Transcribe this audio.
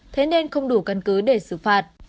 thế nên không đủ căn cứ để xử phạt